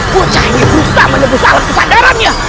pocoknya rusak menembus alat kesadarannya